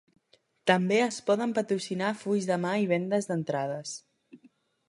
També es poden patrocinar fulls de mà i vendes d'entrades.